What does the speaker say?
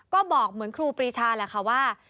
ก็บอกเหมือนครูปรีชาแหละค่ะว่า